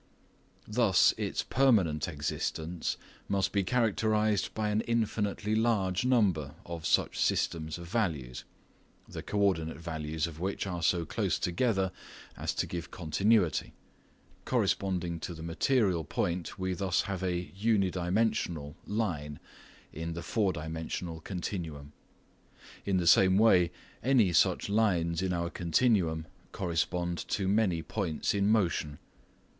Thus its permanent existence must be characterised by an infinitely large number of such systems of values, the co ordinate values of which are so close together as to give continuity; corresponding to the material point, we thus have a (uni dimensional) line in the four dimensional continuum. In the same way, any such lines in our continuum correspond to many points in motion.